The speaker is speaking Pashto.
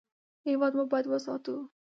هېواد مو باید وساتو